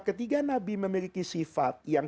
ketiga nabi memiliki sifat yang